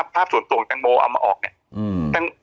ภาพส่วนตัวของแตงโมเอามาออกเนี่ย